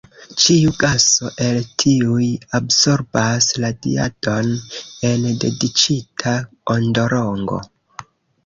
Ĉiu gaso el tiuj absorbas radiadon en dediĉita ondolongo.